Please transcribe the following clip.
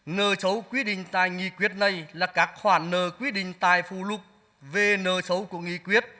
nợ xấu quy định tại nghị quyết này là các khoản nợ quy định tài phụ lục về nợ xấu của nghị quyết